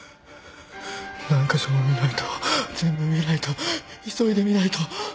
何カ所も見ないと全部見ないと急いで見ないと。